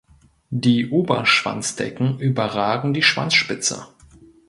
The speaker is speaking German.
Die Oberschwanzdecken überragen die Schwanzspitze.